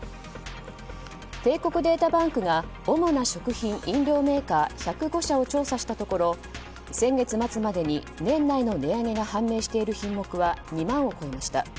帝国データバンクが主な食品・飲料メーカー１０５社を調査したところ先月末までに年内の値上げが判明している品目は２万を超えました。